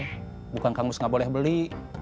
maksud jupri bukan kang mus gak boleh beli